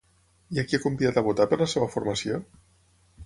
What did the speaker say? I a qui ha convidat a votar per la seva formació?